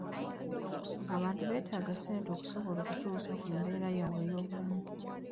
Abantu beetaaga ssente okusobola okukyuusa ku mbeera yaabwe ey'obulamu.